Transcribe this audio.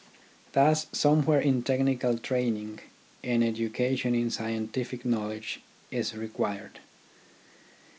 Thus somewhere in technical train ing an education in scientific knowledge is re quired.